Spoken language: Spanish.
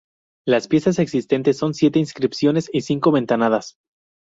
Las piezas existentes son siete inscripciones y cinco ventanas.